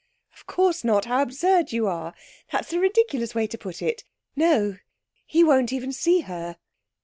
'Of course not how absurd you are! That's a ridiculous way to put it. No he won't even see her.'